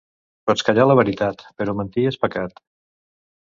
Pots callar la veritat, però mentir és pecat.